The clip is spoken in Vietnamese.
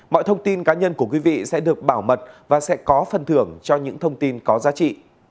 mọi thông tin cá nhân của quý vị sẽ được bảo mật và sẽ có phần thưởng cho những thông tin có giá trị